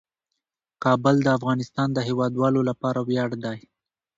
کابل د افغانستان د هیوادوالو لپاره ویاړ دی.